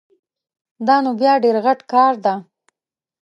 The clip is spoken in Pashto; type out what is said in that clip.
دا نو بیا ډېر غټ کار ده